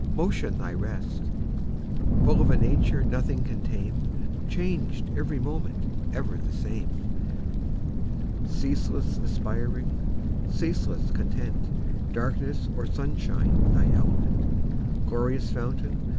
Motion thy rest; Full of a nature Nothing can tame, Changed every moment, Ever the same; Ceaseless aspiring, Ceaseless content, Darkness or sunshine Thy element; Glorious fountain.